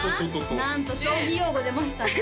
なんと将棋用語出ましたね